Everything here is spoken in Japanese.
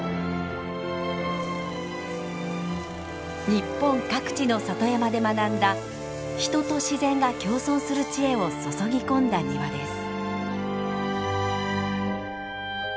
日本各地の里山で学んだ人と自然が共存する知恵を注ぎ込んだ庭です。